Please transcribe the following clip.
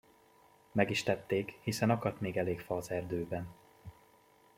Meg is tették, hiszen akadt még elég fa az erdőben.